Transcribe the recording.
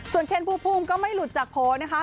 ส่วนเคนภูมิภูมิก็ไม่หลุดจากโพสต์นะคะ